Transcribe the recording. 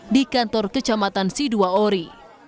di kantor kecamatan siduo ori